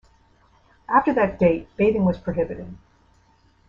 After that date, bathing was prohibited.